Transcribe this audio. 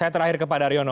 saya terakhir kepada ariono